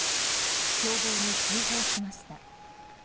消防に通報しました。